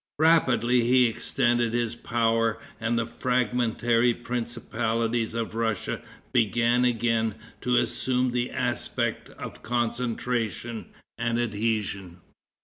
Rapidly he extended his power, and the fragmentary principalities of Russia began again to assume the aspect of concentration and adhesion.